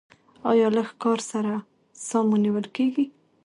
ایا لږ کار سره ساه مو نیول کیږي؟